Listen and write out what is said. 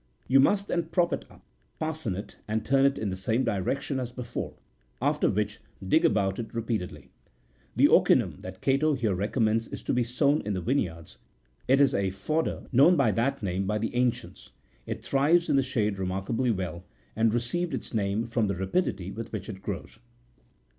You must then prop it up, fasten it, and turn it in the same direction as before ; after which, dig about it repeatedly." The ocinum that Cato here recommends to be sown in the vine yards, is a fodder known by that name by the ancients ; it thrives in the shade remarkably well, and received its name51 from the rapidity with which it grows.